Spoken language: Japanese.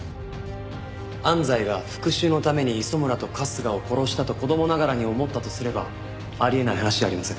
安西が復讐のために磯村と春日を殺したと子供ながらに思ったとすればあり得ない話じゃありません。